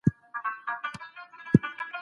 آیا ټول خلک د کابل د تاریخي اهمیت په قدر پوهېږي؟